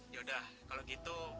ya udah kalau gitu